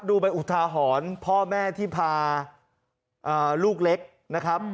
ดูไปอุทาหรณ์พ่อแม่ที่พาลูกเล็กนะครับ